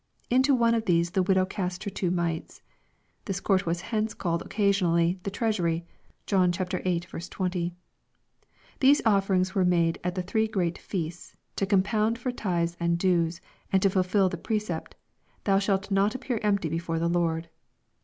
Into one of these the widow cast her two mites." This court was hence called occasionally " the treasury." (John viii. 20.) These offerings were made at the three great feasts, to compound / for tithes and dues, and to fulfil the precept, " Thou shalt not ap / pear empty before the Lord."